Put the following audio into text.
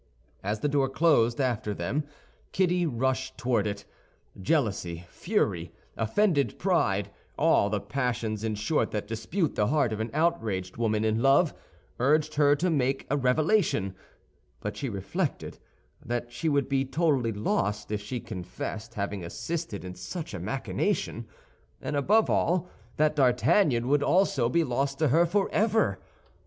As the door closed after them Kitty rushed toward it. Jealousy, fury, offended pride, all the passions in short that dispute the heart of an outraged woman in love, urged her to make a revelation; but she reflected that she would be totally lost if she confessed having assisted in such a machination, and above all, that D'Artagnan would also be lost to her forever.